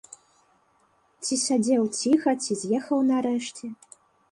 Ці сядзеў ціха, ці з'ехаў нарэшце.